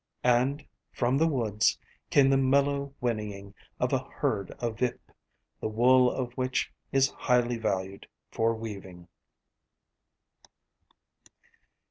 And, from the woods, came the mellow whinnying of a herd of vip, the wool of which is highly valued for weaving.